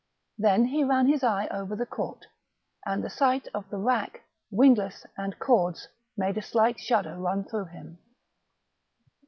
Then he ran his eye over the court, and the sight of the rack, windlass, and cords made a slight shudder run through him.